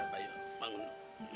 hai eh bayi bangun